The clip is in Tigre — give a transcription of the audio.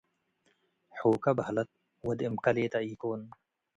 ሑከ በህለት ወድ እምከ ሌጠ ኢኮን ።